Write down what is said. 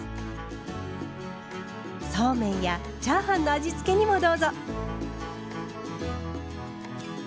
そうめんやチャーハンの味付けにもどうぞ！